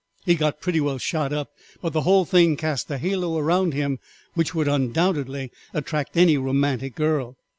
He got pretty well shot up, but the whole thing cast a halo around him, which would undoubtedly attract any romantic girl.